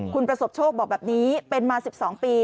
คุณประสบโชคบอกแบบนี้เป็นมา๑๒ปี